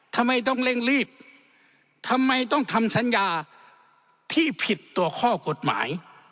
ทำไมต้องเร่งรีบทำไมต้องทำสัญญาที่ผิดตัวข้อกฎหมาย